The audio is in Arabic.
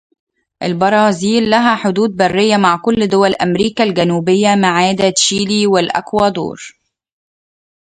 البرازيل لها حدود برية مع كل دول أمريكا الجنوبية ماعدا تشيلي والإكوادور.